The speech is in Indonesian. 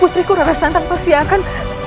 putriku larasantang pasti akan